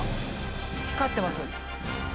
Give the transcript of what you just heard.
光ってます。